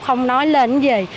không nói lên gì